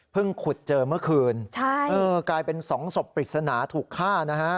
ขุดเจอเมื่อคืนกลายเป็นสองศพปริศนาถูกฆ่านะฮะ